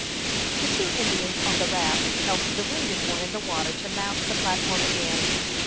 The two Indians on the raft helped the wounded one in the water to mount the platform again.